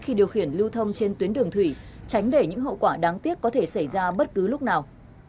khi điều khiển lưu thông trên tuyến đường thủy tránh để những hậu quả đáng tiếc có thể xảy ra bất cứ lúc nào